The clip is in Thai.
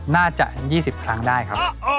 น่าจะ๒๐ครั้งได้ครับ